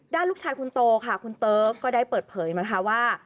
ด้านลูกชายคุณโตค่ะคุณเติ๊กก็ได้เปิดเผยมันค่ะว่า